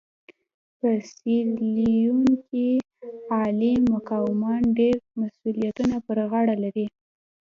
په سیریلیون کې عالي مقامان ډېر مسوولیتونه پر غاړه لري.